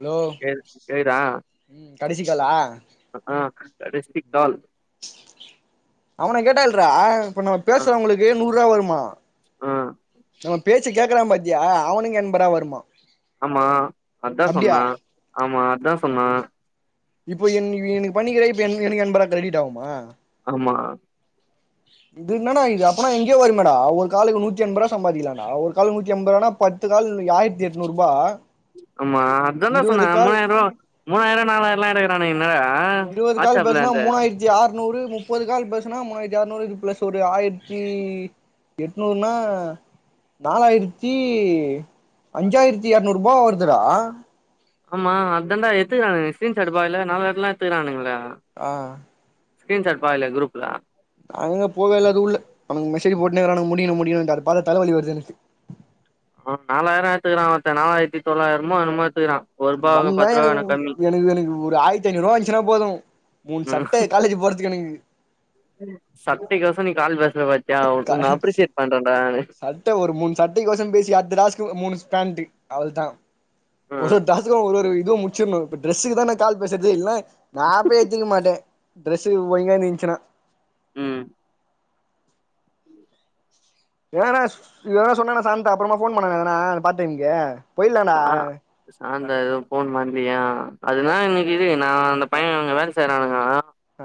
hello கே கேக்குதா ம் கடைசி காலா ஆஹ் கடைசி கால் அவன கேட்டேல்ரா இப்ப நம்ம ஆ பேசறவங்ளுக்கு நூறு வா வருமா ஆ நம்ம பேச்ச கேக்கறா பாத்யா அவனுகு எண்ப ரூவா வருமா ஆமா அதா அப்டியா சொன்னா ஆமா அதா சொன்னா இப்போ என் எனக்கு பண்ணிகற இப்ப என் எனக்கு எண்ப ரூவா கிரெடிட் ஆகுமா மா இது என்னடா இது அப்பனா எங்கேயோ வரு மேடா ஒரு காலுக்கு நூத்தி எண்ப ரூவா சம்பாதிலா டா ஒரு காலுக்கு நூத்தி எண்ப ரூவானா பத்து கால் ஆய்ரத்தி எட்நூறுபா ஆமா அதான்டா சொன்ன இருவது கால் மூணாய்ரூவா மூணாய்ரோ நாலாய்ரோ லா எடுக்கராங் இருவது கால் பேசுனா மூனாய்ரத்தி ஆர் நூறு முப்பது கால் பேசுன்னா மூனாய்ரத்தி ஆறுநூறு பிளஸ் ஒரு ஆயிரத்தி.. எட்நூறுனா நாலாய்ரத்தி அஞ்சாய்ரத்தி எரநூறுபா வருதுடா ஆமா அர்ஜண்டா எடுத்துக்றானுங்க ஸ்கிரீன் ஷாட் பாக்ல நாலாய்ரெல்லா எடுத்துருக்கானுங்லே ஆஹ்ன் ஸ்கிரீன் ஷாட் பாக்லய குரூப்ல அங்க போவே இல்ல அதுக்குள்ள அவங்க மெசேஜ் மெசஜ் போட்னே இருக்கானுஹ முடியு முடியுனு அத பாத்த தலவலி வருது எனக்கு ஆஹ் நாலாயிரம் எடுத்துக்கிறான் ஒருத்தன் நாலாயிரத்தி தொள்ளாயிரமோ என்னமோ எடுத்துக்கிறான் வந்தா எனக்கு எனக்கு எனக்கு ஒரு ஆயிரத்தி ஐநூறு ரூபா வந்துச்சுன்னா போதும் மூணு ம் சட்டைய காலேஜ் போறதுக்கு எனக்கு சட்டைக்கோசோ நீ கால் பேச நானு சட்டை ஒரு மூணு சட்டைக்கோசம் பேசி அடுத்த டாஸ்க்கு மூணு பேண்ட் அவள்தான் ம் ஒரு டாஸ்க்கு ஒரு ஒரு இது முடிச்சிர்னு டிரசுக்கு தான் நா கால் பேசுரது இல்னா ஆப்பே எத்திக்க மாட்டே டிரெஸ்சு [unintelligible] ம் என்னனா சொ எதோ சொன்னாண்ணா சாம்டே அப்புறமா போன் பண்ணானா பார்ட்டைம்க்கு பொய்லாண்ணா எதுவு போன் பன்னியா அதுதான் இன்னைக்கு இது நான் அந்த பையன் அங்க வேல செய்றானுங்க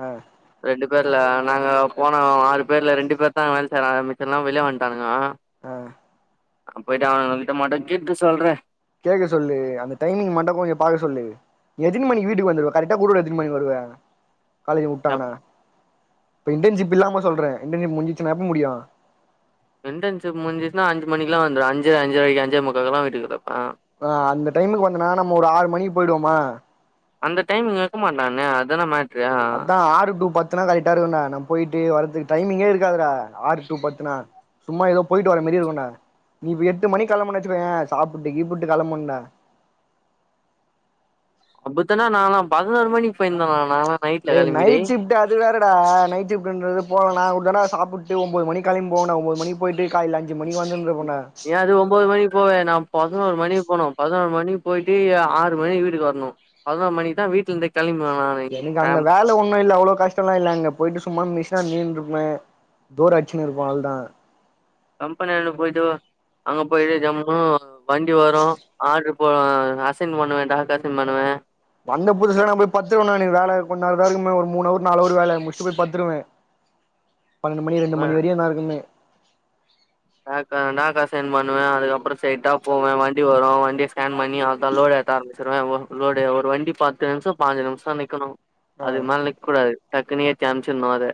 ஆ ரெண்டுப் தெர்ல நாங்க போன ஆறு பேர்ல ரெண்டு பேர்தான் வேல செய்றாங்கோ மிச்சலா வெளிய வன்டானுங்க ஆஹ்ன் ஆ போயிட்டாங்க அவ கிட்ட மட்டும் கேட்டு சொல்றேன் கேக்க சொல்லு அந்த டைமிங் மட்டும் கொஞ்சோ பாக்க சொல்லு எத்தின மணிக்கு வீட்க்கு வந்துடுவ கரெக்டா போரூர் எத்தன மணிக்கு வருவ காலேஜ்ல உட்டாங்கணா எப் இப்ப இன்டர்ன்ஷிப் இல்லாம சொல்றே இன்டர்ன்ஷிப் முடிஞ்சிச்சினா எப்ப முடியு இண்டன்சிப் முடிஞ்சிட்னா அஞ்சு மணிகலா வந்துருவே அஞ்சு அஞ்சரை அஞ்சைமுக்காலுக்கலா வீட்டுக்கு கிடப்பே ஆஹ்ன் அந்த டைமுக்கு வந்தனா நம்ம ஒரு ஆறு மணிக்கு போய்டுவோமா அந்த டைம் இங்க இருக்க மாட்டானே அதான மேட் அதான் ஆறு டு பத் எத்தனாவது கரெக்டா இருக்குண்ணா நான் போய்ட்டு வரதுக் டைமிங்கே இருக்காதுடா ஆறு டு பத்துனா சும்மா ஏதோ போயிட்டு வர மாரி இருங்குண்ணா நீ இப்ப எட்டு மணிக் கிளம்பனு வச்சுக்கயே சாப்ட்டு கீப்ட்டு கிளம்புண்ண புத்தன நாளாம் பதினோறு மணிக்கு போய்ருந்தோம் நாளா ஏய் நைட் ஷிப்ட் அது வேறடா நைட் ஷிப்ட்ன்ரது போலனா [unintelligible] சாப் புட்டு ஒன்போது மணிக்கு கெலம்பி போன ஒன்போது மணிக்கு போய்ட்டு காலையில அஞ்சு மணிக்கு வந்துண்டுருப்போ நீ அது ஒன்போது மணிக்கு போவ வேண்டா பதினொரு மணிக்கு போனும் பதினொரு மணி அப்டி போயிட்டு ஆறு மணிக்கு வீட்டுக்கு வரணும் பதினொரு மணி தான் வீட்ல இருந்தே எனக்கு அங்க வேல ஒன்னும் இல்ல அவ்ளோ கஷ்டோலா இல்ல அங்க போயிட்டு சும்மா மிஷி ட நீன்ருப்பே போர் அடிச்சினு இருக்கு அவ்ள்தான் கம்பெனியான்ட போயிட்டு அங்க போயிட்டு ஜம்னு வண்டி வரும் ஆர்ட்ரு போ அசைன் பண்ணுவே டாக்கு அசைன் பண்ணுவே வந்த புதுசுல நான் போயி பத்துருவேன் நானு வேலை கொஞ்சோ நேரோதான் இருக்கு ஒரு மூணு அவரு நாலு அவரு வேலை முடிச்சிட்டு போய் பத்துருவேன் பன்னெண்டு மணி ரெண்டு ஆ மணி வரையு நான் இருக்கனுமே டாக் அசைன் பன்னுவே அதுக்கப்பரோ சைட்டா போவே வண்டி வரும் வண்டிய ஸ்கேன் பண்ணி அந்த லோடு கத்த ஆரம்பிச்சிருவேன் ஒரு லோடு ஒரு வண்டி பத்து நிமிஷம் பதினஞ்சு நிமிஷம் நிக்கணும் ஆ அது மேல நிக்கூடாது டக்குனு ஏத்தி அமச்சிர்னு அத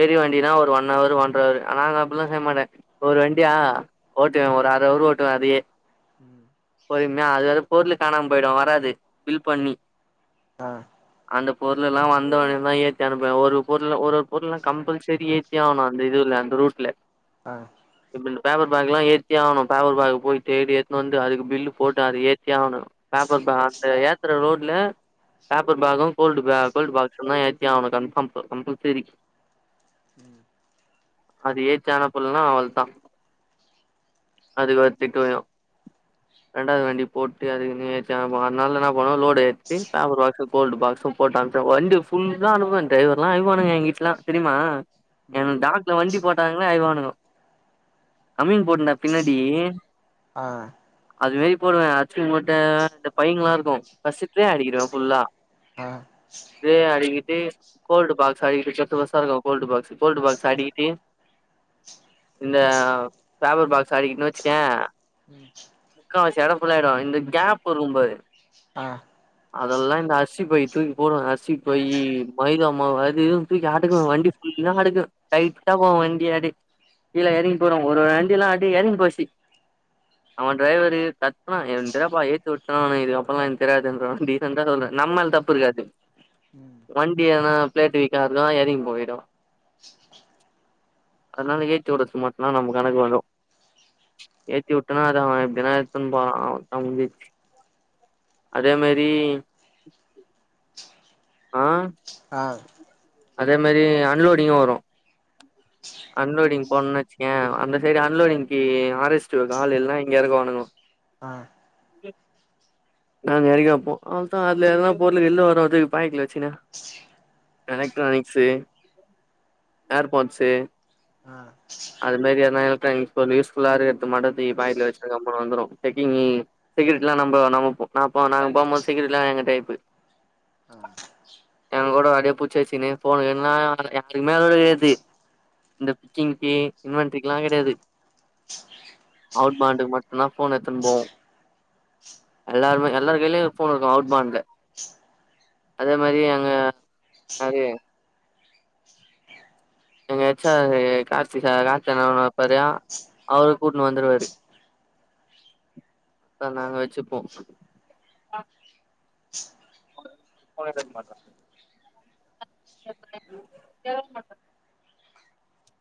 பெரிய வண்டினா ஒரு ஒன்னவரு ஒன்ர அவரு அனா அங்க அப்டில்லா மாட்டேன் ஒரு வண்டியா ஓட்டுவேன் ஒரு அரைஅவரு ஓட்டுவேன் அதையே ம் பொர்மையா அது வேற பொருளு காணாம போயிடும் வராது பில் பண்ணி ஆஹ்ன் அந்த பொருளெல்லா வந்தோனே தா ஏத்தி அனுப்புவ ஒரு பொருள் ஒரு ஒரு பொருள்ல்லா கம்பல்சரி ஏத்தி ஆவனு அந்த இதுல அந்த ரூட்ல ஆ பப்பர் பேக்லா ஏத்தி ஆவனு பப்பர் பேக் போயி தேடி ஏத்துனு வந்து அதுக்கு பில்லு போட்டு அத ஏத்தி ஆவணு பப்பர் பேகு ஏத்துர லோடுல பப்பர் பேகு கோல்டு பே கோல்டு பாக்ஸூ தா ஏத்தி ஆவனு கன்ஃபாம் கம்பல்சரி ம் அது ஏத்தி அனுப்பல்ன்னா அவள் தா அதுக்கு வேற திட்டு உழு ரெண்டாது வண்டி போட்டு அதுனு [unintelligible] அதனால என்ன பண்னோ லோடு ஏத்திட்டு பப்பர் பாக்ஸு கோல்டு பாக்ஸ் பு போட்டு அம்சோ வண்டி ஃபுல்லா அனுப்புவ டிரைவர்லா அழுவானுங்க ஏங்கிட்லா தெரிமா எ ம் டாக்ல வண்டி போட்டாங்கனா வய்வானு அம்மீங் போட்ன பின்னாடி ஆ அது மேரி போடுவ அரிசி மூட்ட ரெண்டு பைங்களா இருக்கு பஸ்ஸுகே அடிக்கிடுவ ஃபுல்லா அ கி கோல்டு பாக்ஸா இது பிச்சத்து ஒச இருக்கு கோல்டு பாக்சு கோல்டு பாக்ஸ அடிக்கிட்டு இந்த பேப்பர் பாக்ஸ் அடிக்கிட்டன் வச்சுக்க ம் முக்கா வாசி எடோ ஃபுல்லா ஆயிரு இந்த கேப் இருக்கு பாரு ஆ அதெல்லா இந்த அசி பை தூக்கி போடுவ அசி பை மைதம்மா அது இதுன் தூக்கி அடுக்குவ வண்டி இவங்களுக்கு லைட்டா போவு வண்டியாடி கீழ எறங்கி போறோ ஒரு வண்டி எல்லா அப்டி எறங்கி போச்சு அவன் டிரரைவரு கத்துனா என்றப்பா ஏத்து விட்றுலான் நெனைக்றியா அப்பிலா எனக்கு தெரியாதுன்றுவ டீசென்டா சொல்ற நம்மேல் தப்பு இருக்காது ம் வண்டியனா பிளேட்டு வீக்காதுனா எறங்கி போயிடு அதனால ஏத்தி உடச்சு மட்டுந்தா நம்ம கணக்கு வரு ஏத்தி விட்டனா அத அவன் எப்டினா அவன் ‌அ முந்திச்சு அதே மாரி ஆ ஆ அதே மாரி அன்லோடிங்கு வரு அன்லோடிங் போணன் வச்சிக்கய அந்த சைடு அன்லோடிங்கி ஆரஸ்டு ஹாலு எல்லா இங்க எறக்குவாணுங்கோ ஆ நா நெரையாப்போ அவ்ள்தா அதுல எதனா பொருளு கிருளு வராது பைக்ல வச்சுனு எலக்ட்ரானிக்ஸு அர்பாட்ஸு அ அது மாரி எதனா எலக்ட்ரானிக்ஸ் பொருள் யூஸ்புல்லா இருக்கற்து மட்டு தூக்கி பக்கெட்ல வச்சுனா சம்பளோ வந்துரு செச்கிங்கி செக் கிட்டிலா நம்ப நாம போ நா போ நாங்க போம் போது செக்யூரிட்டிலா எங்க டைப்பு ஆ எங்க கூட அடியே புடிச்சு வச்சுனு போனு கின்னா யாருக்குமே அலோட் கெடயாது இந்த புச்கிங்கு இன்வன்ட்ரிக்கலா கெடையாது அவ்ட் பாண்டுக்கு மட்டுந்தா ஃபோன் எத்துனு போவோ எல்லாருமே எல்லாரு கைலயு ஒரு ஃபோன் இருக்கு அவ்ட் பான்ட்ல அதே மாரி அங்க யாரு எங்க எச்சா கார்த்திகா ராத்தனா வப்பாரா அவரு கூட்டுனு வந்துருவாரு அத நாங்க வச்சுப்போ [inaudible] [inaudible]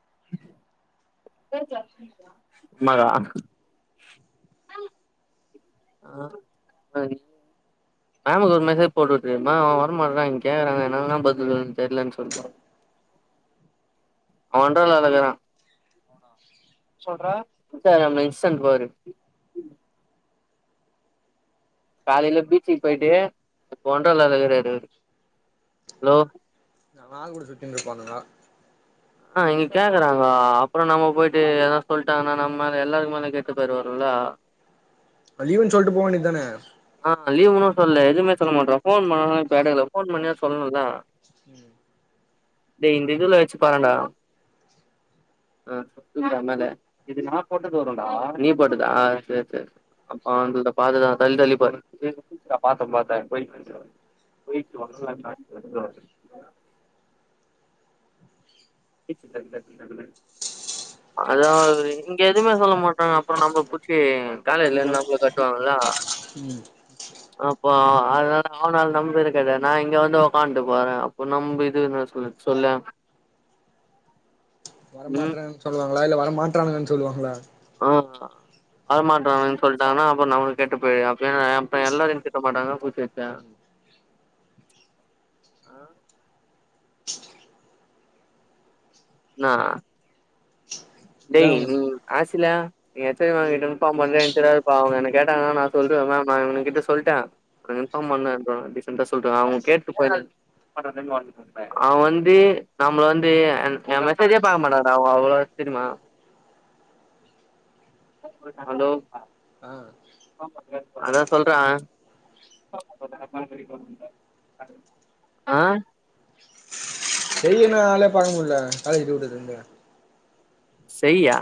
[inaudible] [inaudible] [inaudible] மேமுக்கு ஒரு மெசேஜ் போட்டு வுட்ரு மேம் அவ வர மாட்றா இங்க நாங்க என்னா தா பதில் சொல்ல தெர்லன் சொல்ட்டு [inaudible] அவ ஒன்டர்லால இக்குறா இன்ஸ்டாகிராம்ல இன்சன் பாரு காலைல பீச்சுக்கு பேட்டு இப்ப ஒன்டர்லால இருக்காரு அவுரு ஹலோ அவ ஆளு கூட சுத்தின் ருப்பானுங்க ஆ இங்க கேக்குறாங்கோ அப்றோ நம்ம போயிட்டு எதா சொல்ட்டாங்னா நம்மால எல்லாருக்கு மேல கெட்ட பேரு வருல ஆ லீவுன் சொல்ட்டு போ வேண்டிதான சொல்லே எதுமே சொல்ல மாட்டா ஃபோன் பண்ணால இப்ப எடைல ஃபோன் பண்ணியாது சொல்ணுல டே இந்த இதுல வச்சு பார்டா ஆ புரிதா மேல நீ போட்டதா சேர் சேர் அப்ப அந்த பாத தா தள்ளி தள்ளி பாரு [inaudible] [inaudible] அதா இது இங்க எதுமே சொல்ல மாட்டா அப்றோ நம்ம புடிச்சி காலேஜ்லந்து நம்மள கட்டுவாங்கள ம் அப்போ அதனால அவனால நம்ப இழுக்காத நா இங்க வந்து ஒக்கான்ட்டு போறே அப்போ நம்பு இதுன் சொல் சொல்ல வரமாட்றே சொல்லுவாங்ளா இல்ல வர மாட்றானுங்கன் சொல்லுவாங்ளா [inaudible] வர மாட்றாங்கன் சொல்ட்டாங்கன்னா அப்றோ நமக்கு கெட்டு போயிடு அப்ப அப்றோ எல்லாரையு திட்ட மாட்டாங்கன் பேசி வச்சே ஆ இன்னா இதா டேய் நீ ஆஸ் சில்ல நீ [unintelligible] மேம் கிட்ட இன்ஃபார்ம் பண்ணு [unintelligible] இப்ப அவங் என்ன கேட்டாங்கன்னா நா சொல்றே மேம் நா இவனுங் கிட்ட சொல்ட்டே க்கு இன்ஃபார்ம் பண்ணு அப்றோ டிசெண்ட்டா சொல்ற அவங் கேட்டு போ அவ வந்து நம்ம வந்து ஏ மெசேஜே பாக்க மாட்டா சா அவ அவ தெரிமா ஹலோ ஆ அதா சொல்ற ஆ டெய்லி என்ன ஆளே பாக்க முல்ல காலேஜி [unintelligible] அங்க செய்யா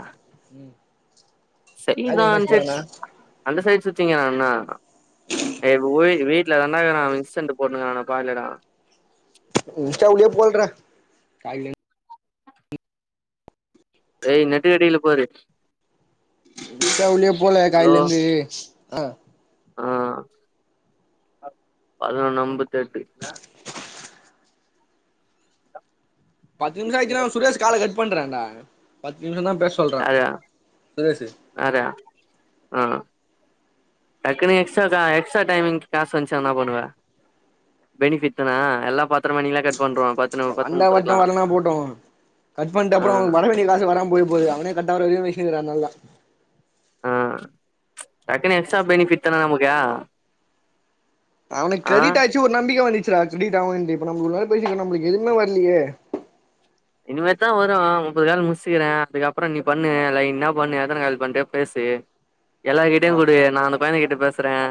உம் செய்து ஆ சைட் அந்த சைடு சுத்திங்றானா ஏ [unintelligible] வீட்ல தாண்டா இக்குறா அவ இன்ஸன்டு போட்னுக்குறானா பாருங்கடா இன்ஸ்டா உள்ளே போல்றா காய்லேந் டேய் நெட்டுக்கடில பாரு ட்டா உள்ளே போலியா காயிலேந்து ஆ ஆஹ் பதுனொன்னு அம்பத்தெட்டு பத்து நிம்ஷோ ஆச்சுனா அவ சுரேஷ் கால கட் பண்றான்டா பேஸ் சொல்ற யாரு பேசு யாரு டக்குனு எக்ஸ்ட்ரா கா எக்ஸ்ட்ரா டைம் காசு வந்ச்சுனா என்னா பண்ணுவ பெனிஃபிட் தான எல்லா பத்தர மணிக்குலா கட் பண்றோ பத் வந்தா வர்ட்டு வல்லனா போட்டு கட் பண்ட்டு ஆ அப்றோ வர வேண்டிய காசு வர போய்ர போது அவனே கட்டாவுர வரைக்கும தா [unintelligible] அதனால தா ஆ டக்குனு எக்ஸ்ட்ரா பெனிஃபிட் தான நமக்கு அவனுக்கு ஆ கிரெடிட் ஆச்சு ஒரு நம்பிக்கை வந்து ச்சுடா கிரிடிட் அவனுன்னுட்டு இப்ப நம்மளுக்குள்ளரா பேசிச்சு இருக்றோ நம்மளுக்கு எதுவுமே வரலையே இனிமேதா வரு முப்பது கால் முசுக்கிறே அதுக்கப்புற நீ பண்ணு லைன்னா பண்ணு ஏத்தனை கால பண்ணிட்டு பேசு டு எல்லார வா கிட்டயு கூடு நா அந்த பயனுக கிட்ட பேசுறேன்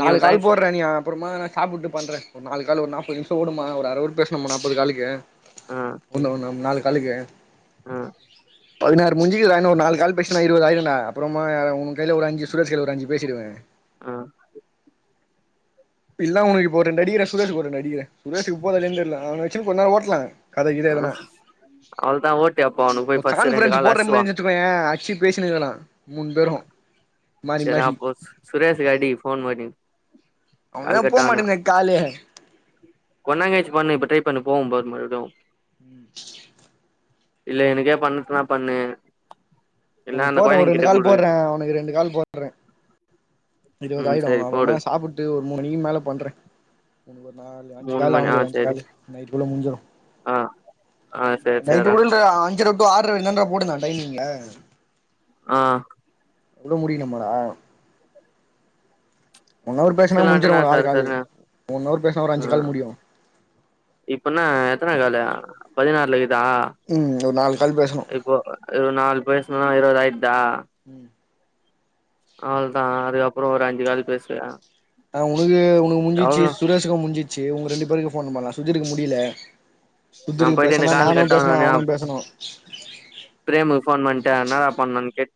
நாலு கால் போடுறே நீ அப்புறமா நா சாப்பிட்டு பண்றே ஒரு நாலு கால் ஒரு நாப்பது நிமிஷம் ஓடுமா ஒரு அரை ஹவர் பேசணமா நாற்பது காலுக்கு ஆ ஒண்ண ஒன்னு நாலு கலுக்கு ம் பதினாறு முடிஞ்சு குது தா இன்னு ஒரு நாலு கால் பேசனா இருபது ஆயிறுடா அப்புறமா உ கைலே ஒரு அஞ்சு சுரேஷ் கைலே ஒரு அஞ்சு பேசிடுவே ஆ இப்ப இல்லா உனக்கு இப்ப ரெண்டடிகற சுரேஷ்க்கு ஒரு ரெண்டாடிகிற சுரேஷ்க்குப் போதா இல்லான்னு தெரில அவ வச்சு கொஞ்ச நேர ஓட்டலா கத கித எதனா ம் அவ்ளதா ஓட்டு அப்போ அவனுக்கு இப்ப போய் ஃபர்ஸ்ட் ரெண்டு கான்பரன்ஸ் கால் போடுற மாரி அடிச்சுவா இருந்திவெச்சுக்கோயே அடிச்சி பேசினுயிருக்கலா மூணு பேரு சரி அப்போ சு சுரேஷ்க்கு அடி ஃபோன் போட்டு அவனுகுதா போமாட்டேங்குதே காலே கொன்னாங்கயச்சி பண்ணு இப்ப ட்ரை பண்ண போம் பாரு மறுபடியு ம் இல்ல எனக்கே பண்ணதுன பண்ணு இல்ல உனகு அந்த போடறே ஒரு கொழந்தைங்க ரெண்டு கிட்ட கால் குடு போடறே உனக்கு ரெண்டு கால் போ பண்றே இருவது ம் ஆயிடு சரி போடு அப்புறமா சாப்பிட்டு ஒரு மூணு மணி மேல பண்றே ஒனக்கு ஒரு நாலு அஞ்சு மூணு காலு மணி அவனுக்கு ஆ ஒரு அஞ்சு சரி காலு நைட்டுக்குளே முடிஞ்சிரும் ஆ ஆ அ சரி நைட்டு சேர்றா கூட இந்த அஞ்சரை டு ஆறுரைன்னன்ற போட்டிருந்தா டைமிங்ல ஆ இவ்வளவு முடியணுமாடா ஒன் ஹவர் பேசுனா முடிஞ்சுரு வச்சிடலான்டனா ஒரு ஆறு சரி காலுலயே சரின்னு ஒன் ஹவர் பேசனா ஒரு ஆ அஞ்சு கால்ல முடியு இப்பன்னா எத்தனை காலு பதினாறுல இருக் ம் ஒரு நா இப்போ நாலு பேசின இருவது ஆயிடுதா ம் அவ்ளதா அதுக்கப்புறோ ஒரு அஞ்சு காலு பேசுறே ஆ உனக்கு உனக்கு முஞ்சிச்சு சுரேஷுக்கு முஞ்சிச்சு உங்க ரெண்டு பேருக்கு ஃபோன் பண்ணலாம் சுதிரூக்கு முடியல நா சுதிருக்கு போயிட்டு இந்த பேசனா கால் நானு கட் ஆன பேசனு ஒன்னே அவனு பேசனு பிரேமுக்கு ஃபோன் பண்ணிட்டு என்ன டா பண்ணணு கேட்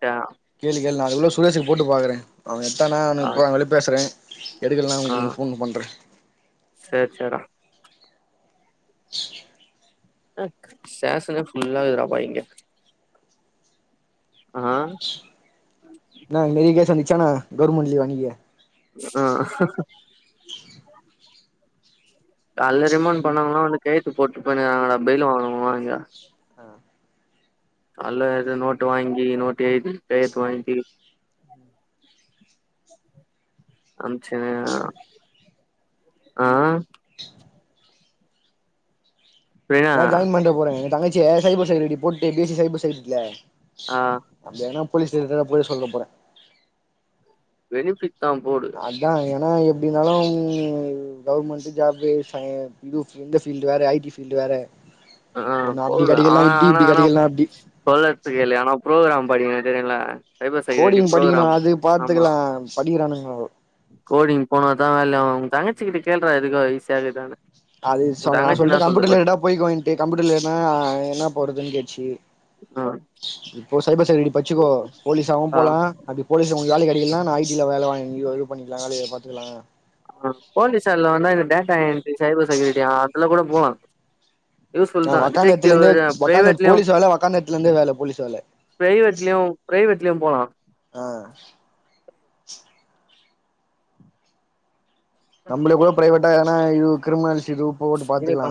கேளு கேளு நான் அதுகுள்ள சுரேஷுக்கு போட்டு பாக்கறே அவ எத்தானா ஆ அவனுக்கு ஃபோன் பண்ணு பேசுறே எடுக்கலேன ஆ உனக்கு ஃபோன் பண்றே சேர் சேர்டா இச் சியா அ சேசனே ஃபுல்லா இருக்றப்பா இங்க ஆ என்னா [unintelligible] சந்திச்சானா கவர்மெண்ட் லீவு அன்னிக்கி ஆஹ்ஹா காலைல ரிமண்ட் பண்ணாங்கன்னா வந்து கையெயெழுத்து போட்டு போயிர்காணுங்கடா பெயிலே வாங்குவங்க எல்லா இங்க அல்ல ஏது நோட்டு வாங்கி நோட்டு எழுதி கையெழுத்து வாங்கி [inaudible] அம்சின்னு ஆ பிரீனா தா ஜாயின் பண்ற போறங்க ஏ தங்கச்ச சைபர் செக்யூரட்டி போட்டு பி எஸ் சி சைபர் செக்யூரட்டில்ல ஆ போலீஸ் ஸ்டாஷன்லா போய் சொல்லற போறே வெரிவிக் அதா ஏன்னா இப் எப்டின்னாலும் கவுர்மெண்ட்டு ஜாப்பு ச இது இந்த ஃபீல்டு வேரே ஐ டி ஃபீல்டு வேற ஆ ஒன்னு அப்டி போடு கெடைக்கலனா ஆனா இப்டி ஆனா இப்டி ஆனா கெடைக்கலனா அப்டி சொல்லறதுக்கு இல்லைய ஆனா பு்ரோக்ராம் படிங்க தெரியுல்ல சைபர் செக்யூரிட்டி கோடிங் படிக்கணு ப்ரோக்ராம் அது ஆமா பாத்துக்கலா படிக்கிறானுங்கோ கோடிங் போனா தா வேல ஆகு உ தங்கச்சி கிட்ட கேள்றா எதுக்கு ஈஸியாருக்கானு அது சொ நா சொல்ட்ட கம்ப்யூட்டர் ரிலேடடா போய்க்கோயின்டு கம்ப்யூட்டர் ரிலேட்டேடுனா என்ன போறதுன் கேட்ச்சு ஆ இப்போ சைபர் செக்யுரிடி படிசுக்கோ போலீஸ் ஆவு ஆ போலா அப்டி போலீஸ் வேல கெடைக்கலினா நா ஐடில வேல வாங்கி அது பண்ணிக்லா வேல பாத்துக்ல அ போலீஸ் ஆயிட்லா இல்லனா டேட்டா என்ட்ரி சைபர் செக்யூரிட்டி அதுல கூட போலா யூஸ்ஃபுல் அ தா ஒக்காந்த எடத்தில டிடெக்டிவ் இருந்தே ஒக்காந்த பிரைவேட்லயு போலீஸ் வேல ஒக்காந்த எடத்துல இருந்தே வேல போலீஸ் வேல பிரைவேட்லயு பிரைவேட்லயு போலா அ நம்லே கூட பிரைவேட்டா ஏனா இ கிரிமினாலிசி ரூ போட்டு இது பண்ற பாத்துக்லா